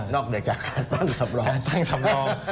นอกจากการตั้งสำรอง